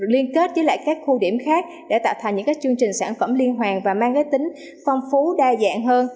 liên kết với lại các khu điểm khác để tạo thành những chương trình sản phẩm liên hoàn và mang cái tính phong phú đa dạng hơn